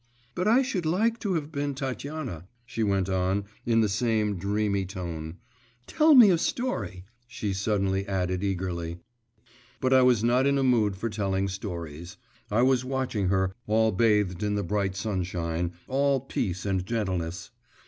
'But I should like to have been Tatiana,' she went on, in the same dreamy tone. 'Tell me a story,' she suddenly added eagerly. But I was not in a mood for telling stories. I was watching her, all bathed in the bright sunshine, all peace and gentleness.